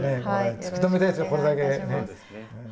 突き止めたいですよ、これだけ。